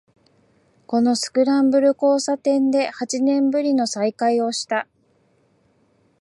このスクランブル交差点で八年ぶりの再会をした